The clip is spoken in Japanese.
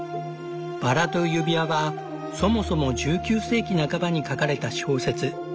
「バラと指輪」はそもそも１９世紀半ばに書かれた小説。